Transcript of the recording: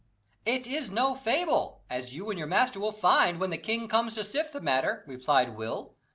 "It is no fable, as you and your master will find when the king comes to sift the matter," replied Will.